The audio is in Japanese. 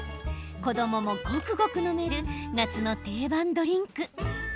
子どももごくごく飲める夏の定番ドリンク。